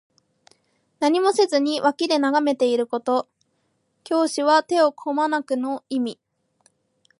何もせずに脇で眺めていること。「拱手」は手をこまぬくの意味。